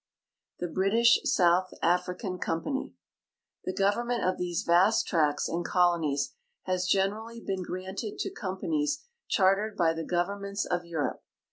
THE BRITISH SOUTH AFRICAN COMPANY. The government of these va.st tracts and colonies has gener ally been granted to companies chartered bj'' the governments of Europe.